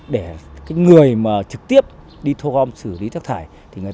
để người mà trực tiếp đi thu gom xử lý rác thải